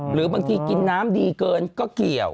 หรือบางทีกินน้ำดีเกินก็เกี่ยว